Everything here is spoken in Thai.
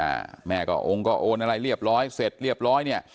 อ่าแม่ก็องค์ก็โอนอะไรเรียบร้อยเสร็จเรียบร้อยเนี้ย